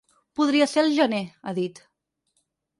Podria ser al gener, ha dit.